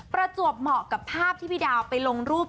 ประจวบเหมาะกับภาพที่พี่ดาวไปลงรูป